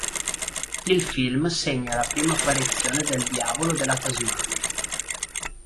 Il film segna la prima apparizione del Diavolo della Tasmania.